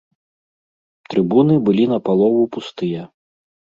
Трыбуны былі напалову пустыя.